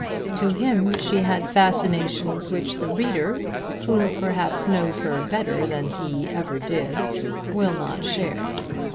To him she had fascinations which the reader, who perhaps knows her better than he ever did, will not share.